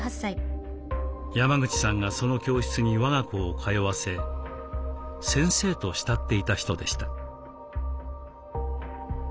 山口さんがその教室に我が子を通わせ先生と慕っていた人でした。